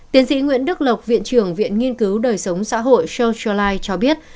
tiến sĩ nguyễn đức lộc viện trưởng viện nghiên cứu đời sống xã hội social life cho biết